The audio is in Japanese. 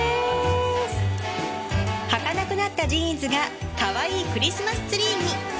履かなくなったジーンズがカワイイクリスマスツリーに